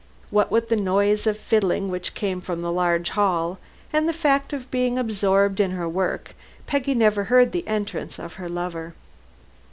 What with the noise of fiddling which came from the large hall, and the fact of being absorbed in her work, Peggy never heard the entrance of her lover.